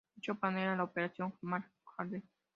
Dicho plan era la Operación Market Garden.